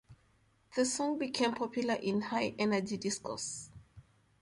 The song became popular in High Energy discos.